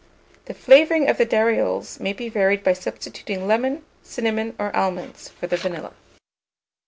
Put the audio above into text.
The flavouring of the darioles may be varied by substituting lemon, cinnamon, or almonds, for the vanilla.